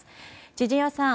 千々岩さん